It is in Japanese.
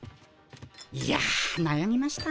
いやなやみました。